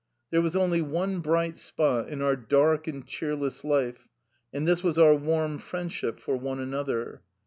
There was only one bright spot in our dark and cheerless life, and this was our warm friend ship for one another.